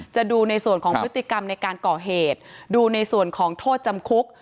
จะดูในส่วนของพฤติกรรมในการก่อเหตุดูในส่วนของโทษจำคุก